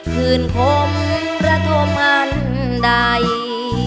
คืนผมระทมอันใด